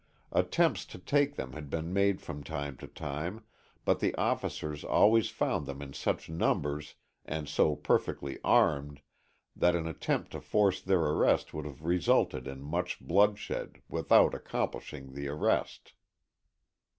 Attempts to take them had been made from time to time, but the officers always found them in such numbers and so perfectly armed that an attempt to force their arrest would have resulted in much bloodshed without accomplishing the arrest.